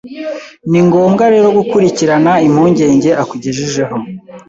Ni ngombwa rero gukurikirana impungenge akugejejeho